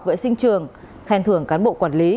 vệ sinh trường khen thưởng cán bộ quản lý